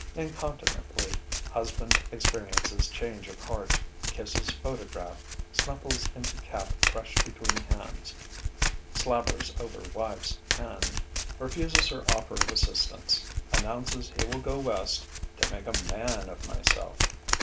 Incontinently husband experiences change of heart; kisses photograph; snuffles into cap crushed between hands; slavers over wife's hand; refuses her offer of assistance; announces he will go West to "make a man of myself!"